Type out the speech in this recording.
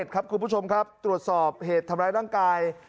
ครับคุณผู้ชมครับตรวจสอบเหตุทำร้ายร่างกาย